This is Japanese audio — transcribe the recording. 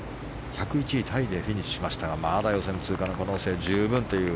１０１位タイでフィニッシュしましたがまだ予選通過の可能性は十分という